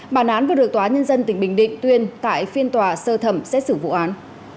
bản án vừa được tòa nhân dân tỉnh bình định tuyên tại phiên tòa sơ thẩm xét xử vụ án